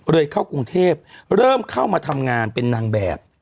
เข้ากรุงเทพเริ่มเข้ามาทำงานเป็นนางแบบ